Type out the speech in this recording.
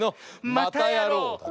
またやろう！